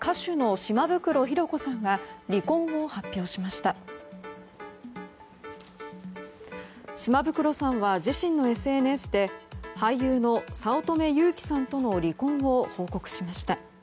島袋さんは自身のＳＮＳで俳優の早乙女友貴さんとの離婚を報告しました。